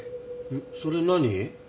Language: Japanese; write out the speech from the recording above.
それ何？